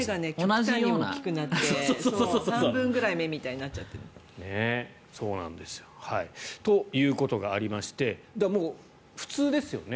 大きくなって、半分くらい目みたいになっちゃってる。ということがありまして普通ですよね